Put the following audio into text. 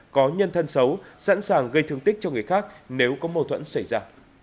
có nhân thân xấu sẵn sàng gây thương tích cho người khác nếu có mâu thuẫn xảy ra